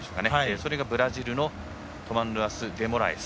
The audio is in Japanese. それがブラジルのトマスルアン・デモラエス。